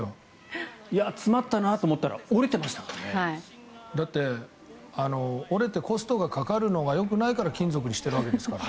詰まったなと思ったらだって、折れてコストがかかるのがよくないから金属にしてるわけですから。